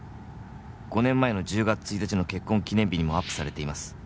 「５年前の１０月１日の結婚記念日にもアップされています」